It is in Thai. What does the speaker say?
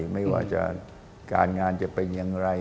ไม่ว่าจะการงานจะเป็นอย่างไร